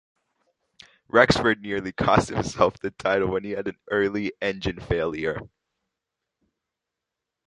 Rexford nearly cost himself the title, when he had an early engine failure.